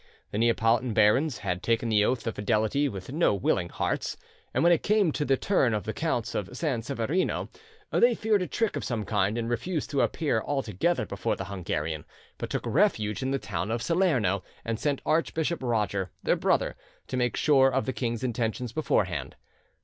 The Neapolitan barons had taken the oath of fidelity with no willing hearts; and when it came to the turn of the Counts of San Severino, they feared a trick of some kind, and refused to appear all together before the Hungarian, but took refuge in the town of Salerno, and sent Archbishop Roger, their brother, to make sure of the king's intentions beforehand.